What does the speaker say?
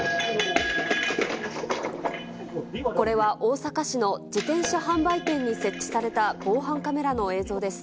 これは大阪市の自転車販売店に設置された防犯カメラの映像です。